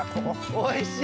おいしい。